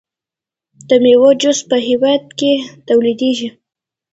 د میوو جوس په هیواد کې تولیدیږي.